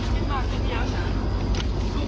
จะกำลังไปใจพวกนื่น